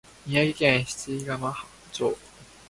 宮城県七ヶ浜町